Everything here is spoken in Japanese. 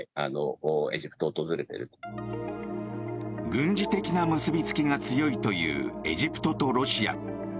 軍事的な結びつきが強いというエジプトとロシア。